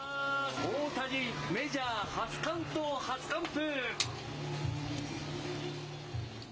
大谷、メジャー初完投、初完封。